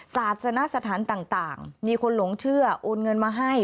ศาสนสถานต่างมีคนหลงเชื่อโอนเงินมาให้